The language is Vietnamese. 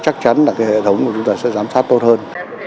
chắc chắn là cái hệ thống của chúng ta sẽ giám sát tốt hơn